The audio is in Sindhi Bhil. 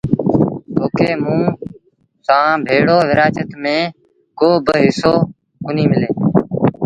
تو کي موٚنٚ سآݩٚ ڀيڙو ورآڇت ميݩ ڪو با هسو ڪونهيٚ ملي۔